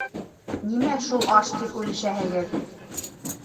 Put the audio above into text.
Нимә шул аш тип үлешәһегеҙ?